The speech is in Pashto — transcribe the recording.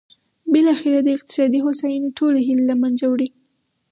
بالاخره د اقتصادي هوساینې ټولې هیلې له منځه وړي.